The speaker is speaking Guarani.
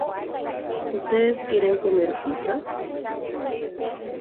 Peẽ pe'usépiko pizza.